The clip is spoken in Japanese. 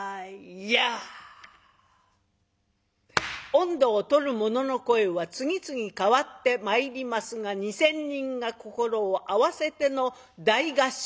音頭を取る者の声は次々変わってまいりますが２，０００人が心を合わせての大合唱。